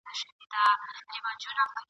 نه د جنډۍ په ننګولو د بابا سمېږي..